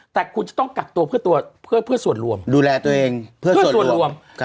แต่คุณจะต้องกักตัวเพื่อส่วนรวมดูแลตัวเองเพื่อส่วนรวม